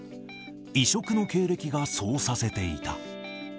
異色の経歴がそうさせていた。